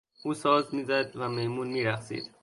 او ساز میزد و میمون میرقصید.